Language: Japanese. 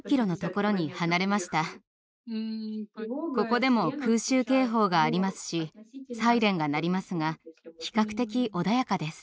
ここでも空襲警報がありますしサイレンが鳴りますが比較的穏やかです。